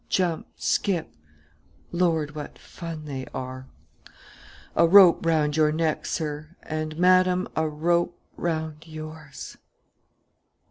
Jump! Skip! Lord, what fun they are! A rope round your neck, sir; and, madam, a rope round yours.